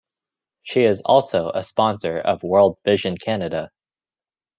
She is also a sponsor of World Vision Canada.